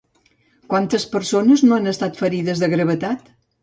Quantes persones no han estat ferides de gravetat?